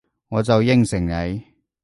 我就應承你